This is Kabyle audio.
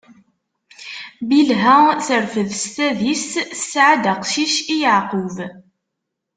Bilha terfed s tadist, tesɛa-d aqcic i Yeɛqub.